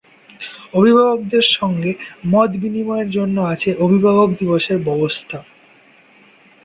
অভিভাবকদের সঙ্গে মত বিনিময়ের জন্য আছে অভিভাবক দিবসের ব্যবস্থা।